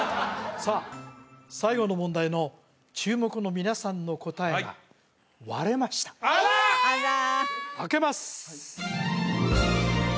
さあ最後の問題の注目の皆さんの答えが割れましたあら！